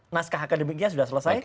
naskah akademiknya sudah selesai